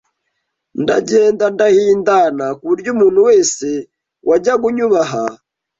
ndagenda ndahindana ku buryo umuntu wese wanjyaga unyubaha